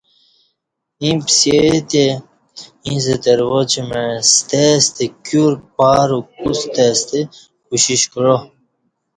ییں پسے تی ایݩستہ ترواچ مع ستے ستہ کیور پاروک کُوستہ ستہ کوشش کعا